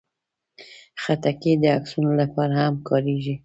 خټکی د عکسونو لپاره هم کارېږي.